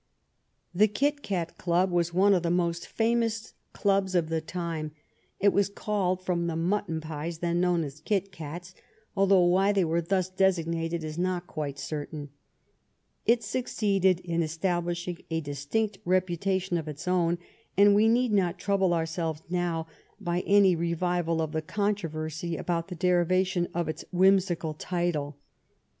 The Kit Cat Club was one of the most famous clubs of the time. It was called from the mutton pies then known as Kit Cats, although why they were thus designated is not quite certain. It succeeded in estab lishing a distinct reputation of its own, and we need not trouble ourselves now by any revival of the con troversy about the derivation of its whimsical title.